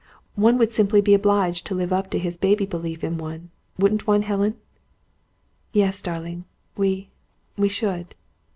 One would simply be obliged to live up to his baby belief in one; wouldn't one, Helen?" "Yes, darling; we we should."